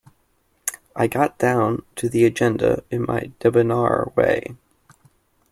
I got down to the agenda in my debonair way.